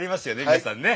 皆さんね。